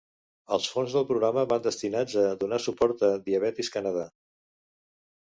Els fons del programa van destinats a donar suport a Diabetes Canada.